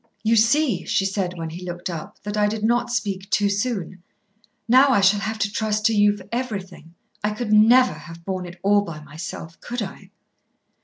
"You see," she said when he looked up, "that I did not speak too soon. Now I shall have to trust to you for everything. I could never have borne it all by myself. Could I?"